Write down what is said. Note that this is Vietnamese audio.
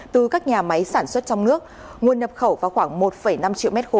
từ các nhà máy sản xuất trong nước nguồn nhập khẩu vào khoảng một năm triệu m ba